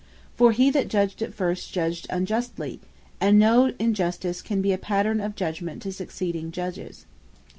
For he that judged it first, judged unjustly; and no Injustice can be a pattern of Judgement to succeeding Judges.